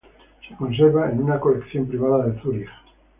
Se conserva en una colección privada de Zúrich.